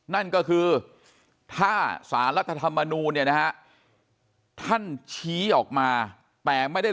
นั่นก็คือถ้าสารรัฐธรรมนูลเนี่ยนะฮะท่านชี้ออกมาแต่ไม่ได้